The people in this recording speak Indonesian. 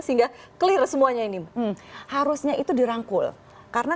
sehingga clear semuanya ini harusnya itu dirangkul karena